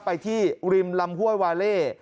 ไปที่ริมลำห้วยวาเล่